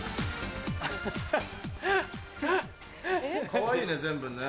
かわいいね全部ね。